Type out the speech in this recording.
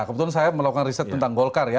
kebetulan saya melakukan riset tentang golkar ya